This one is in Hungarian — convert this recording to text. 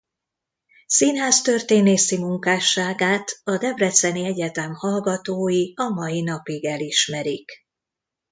Színháztörténészi munkásságát a Debreceni Egyetem hallgatói a mai napig elismerik.